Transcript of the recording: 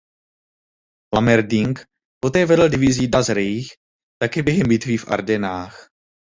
Lammerding poté velel divizi "Das Reich" také během bitvy v Ardenách.